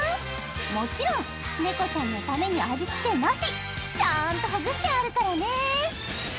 「もちろん猫ちゃんのために味付けなし」「ちゃんとほぐしてあるからね」